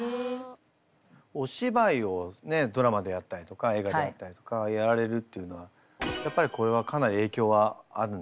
お芝居をねドラマでやったりとか映画でやったりとかやられるっていうのはやっぱりこれはかなり影響はあるんですか？